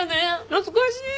懐かしい！